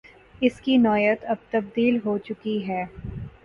اس کی نوعیت اب تبدیل ہو چکی ہے۔